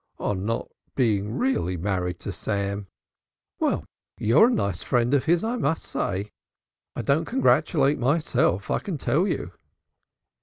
"On not being really married to Sam." "Well, you're a nice friend of his, I must say. I don't congratulate myself, I can tell you."